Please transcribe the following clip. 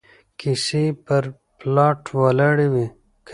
کيسې پر پلاټ ولاړې وي